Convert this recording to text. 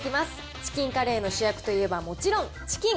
チキンカレーの主役といえばもちろんチキン。